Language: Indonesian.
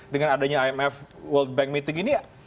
dengan adanya imf world bank meeting ini